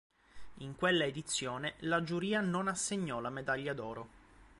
In quella edizione, la giuria non assegnò la medaglia d'oro.